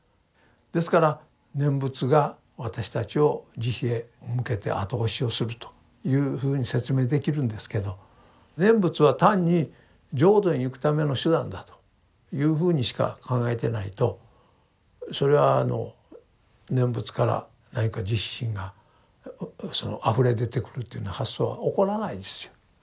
ですから念仏が私たちを慈悲へ向けて後押しをするというふうに説明できるんですけど念仏は単に浄土に行くための手段だというふうにしか考えてないとそれはあの念仏から何か慈悲心がそのあふれて出てくるという発想は起こらないですよ。